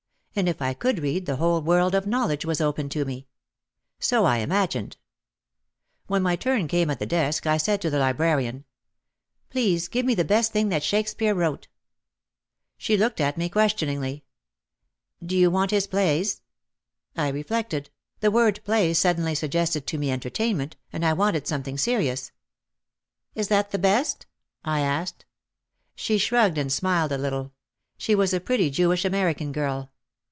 And if I could read the whole world of knowledge was open to me. So I imagined. When my turn came at the desk I said to the librarian, "Please give me the best thing that Shakespeare wrote." She looked at me questioningly. "Do you want his plays?" I reflected, the word play suddenly suggested to me entertainment and I wanted something serious. "Is that the best?" I asked. She shrugged and smiled a little. She was a pretty Jewish American girl.